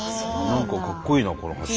何かかっこいいなこのハチ。